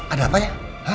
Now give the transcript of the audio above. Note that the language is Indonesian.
ada apa ya